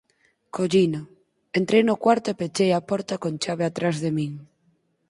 Collino, entrei no cuarto e pechei a porta con chave atrás de min.